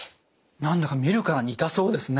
何だか見るからに痛そうですね。